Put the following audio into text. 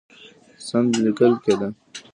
سند لیکل کېده.